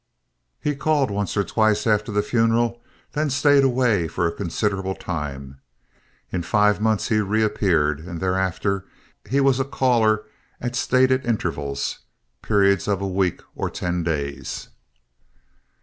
He called once or twice after the funeral, then stayed away for a considerable time. In five months he reappeared, and thereafter he was a caller at stated intervals—periods of a week or ten days.